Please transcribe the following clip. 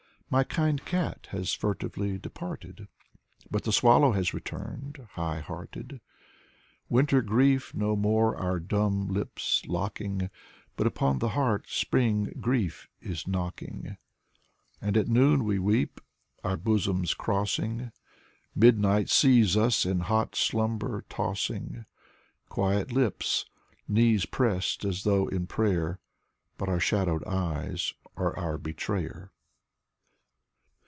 My kind cat has furtively departed, But the swallow has returned, high hearted. Winter grief no more our dumb lips locking, But upon the heart Spring grief is knocking. And at noon we weep, our bosoms crossing, Midnight sees us in hot slumber tossing: Quiet lips, knees pressed as though in prayer, But our shadowed eyes are our betrayer.